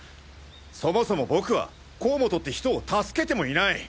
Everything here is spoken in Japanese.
そもそも僕は甲本って人を助けてもいない！